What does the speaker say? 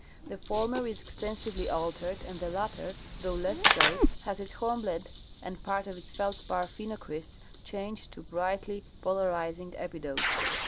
The former is extensively altered, and the latter, though less so, has its horn Ijlende and part of its feldspar phenocr^^sts changed to Ijrightly polarizing epidote.